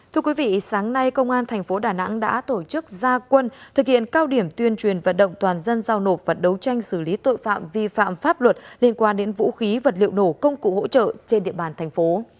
thưa quý vị sáng nay công an thành phố đà nẵng đã tổ chức gia quân thực hiện cao điểm tuyên truyền vận động toàn dân giao nộp và đấu tranh xử lý tội phạm vi phạm pháp luật liên quan đến vũ khí vật liệu nổ công cụ hỗ trợ trên địa bàn thành phố